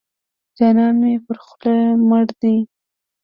جانان مې پر خوله مړ دی.